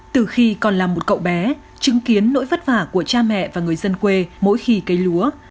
từ khi còn là một cậu bé chứng kiến nỗi vất vả của cha mẹ và người dân quê mỗi khi cấy lúa